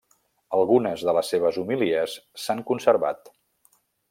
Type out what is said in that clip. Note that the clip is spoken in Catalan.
Algunes de les seves homilies s'han conservat.